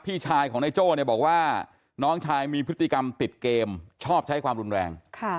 พี่ชายของนายโจ้เนี่ยบอกว่าน้องชายมีพฤติกรรมติดเกมชอบใช้ความรุนแรง